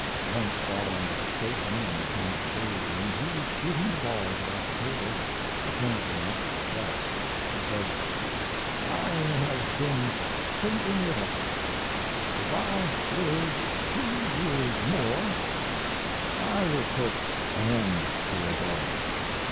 Once following the dictation, when I came to the billiard room he was shooting the balls about the table, apparently much depressed. He said: "I have been thinking it out if I live two years more I will put an end to it all.